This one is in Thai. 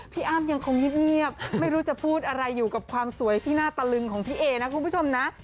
พี่อ้ำยังคงเงียบไม่รู้จะพูดอะไรอยู่กับความสวยที่น่าตะลึงของพี่เอนะคุณผู้ชมนะ